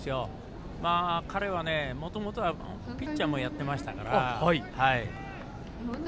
彼は、もともとはピッチャーもやってましたから。